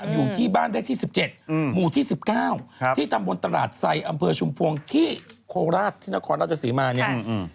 อยู่ที่บ้านเลขที่๑๗หมู่ที่๑๙ที่ตำบลตลาดไซอำเภอชุมพวงที่โคราชที่นครราชสีมาเนี่ย